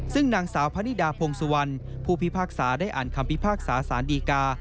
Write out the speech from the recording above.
ซึ่งนางสาวพะนิดาพงสุวรรณผู้พิพากษาได้อ่านคำพิพากษาสารดีกา